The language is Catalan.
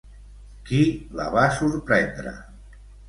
Qui la va sorprendre?